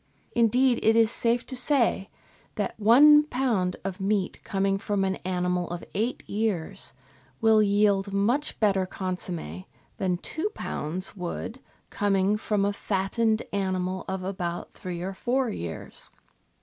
Indeed, it is safe to say that one lb. of meat coming from an animal of eight years will yield much better consomm^ than two lbs. would, coming from a fattened animal of about three or four years.